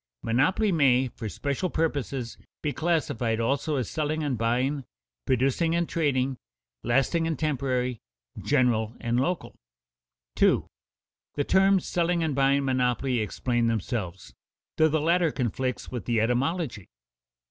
_Monopolies may, for special purposes, be classified also as selling and buying, producing and trading, lasting and temporary, general and local._ The terms selling and buying monopoly explain themselves, though the latter conflicts with the etymology.